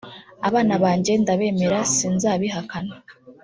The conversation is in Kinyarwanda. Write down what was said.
Abana banjye ndabemera sinzabihakana